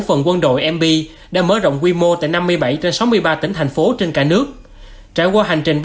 phần quân đội mb đã mở rộng quy mô tại năm mươi bảy trên sáu mươi ba tỉnh thành phố trên cả nước trải qua hành trình ba